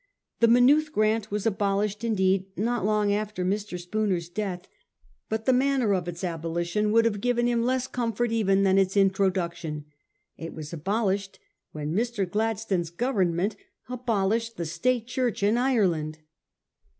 The Maynooth grant was abolished indeed not long after Mr. Spooner's death ; but the manner of its abolition would have given him less comfort even than its introduction. It was abolished when Mr. Gladstone's Government abolished the State Church in Ireland.